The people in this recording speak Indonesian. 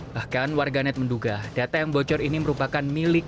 bahkan warganet menduga data yang bocor ini merupakan milik